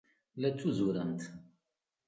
La ttuzurent.